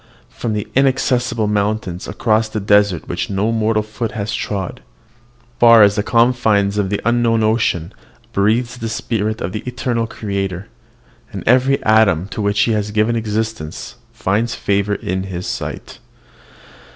From the inaccessible mountains, across the desert which no mortal foot has trod, far as the confines of the unknown ocean, breathes the spirit of the eternal Creator; and every atom to which he has given existence finds favour in his sight.